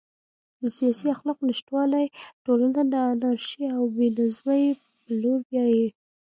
د سیاسي اخلاقو نشتوالی ټولنه د انارشي او بې نظمۍ په لور بیايي.